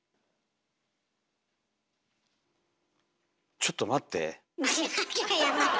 ちょっと待って。